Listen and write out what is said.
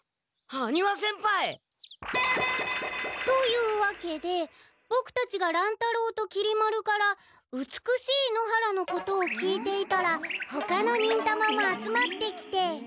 羽丹羽先輩！というわけでボクたちが乱太郎ときり丸から美しい野原のことを聞いていたらほかの忍たまも集まってきて。